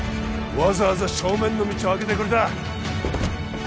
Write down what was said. わざわざ正面の道をあけてくれた